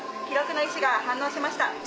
記録の石が反応しました。